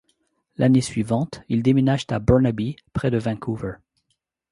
L'année suivante, ils déménagent à Burnaby, près de Vancouver.